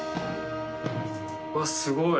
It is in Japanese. うわっすごい。